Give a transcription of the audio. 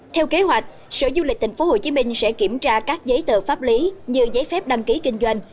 theo kế hoạch sở du lịch tp hcm sẽ kiểm tra các giấy tờ pháp lý như giấy phép đăng ký kinh doanh